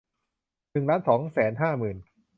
หนึ่งล้านสองแสนห้าหมื่น